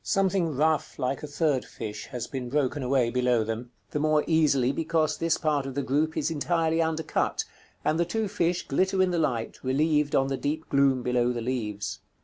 Something rough, like a third fish, has been broken away below them; the more easily because this part of the group is entirely undercut, and the two fish glitter in the light, relieved on the deep gloom below the leaves.